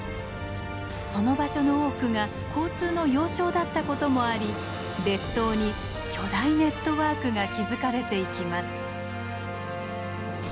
その場所の多くが交通の要衝だったこともあり列島に巨大ネットワークが築かれていきます。